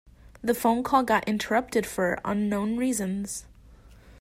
The phone call got interrupted for unknown reasons.